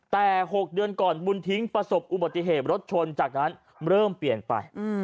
แต่๖เดือนก่อนบุญทิ้งประสบอุบัติเหตุรถชนจากนั้นเริ่มเปลี่ยนไป